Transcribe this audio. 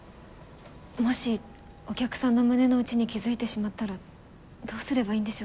もしお客さんの胸の内に気付いてしまったらどうすればいいんでしょうか？